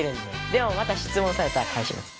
でもまた質問されたらかえします。